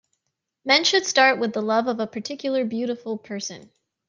Men should start with the love of a particular beautiful person.